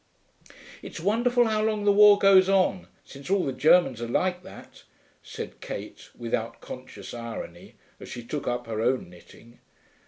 'It's wonderful how long the war goes on, since all the Germans are like that,' said Kate, without conscious irony, as she took up her own knitting.